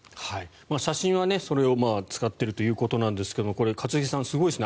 写真はそれを使っているということなんですがこれ、一茂さんすごいですね。